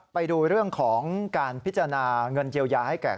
ไปดูเรื่องของการพิจารณาเงินเยียวยาให้แก่